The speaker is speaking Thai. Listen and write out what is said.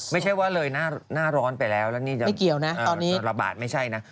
ไม่ใช่ว่าเลยหน้าร้อนไปแล้วราบาดไม่ใช่นะ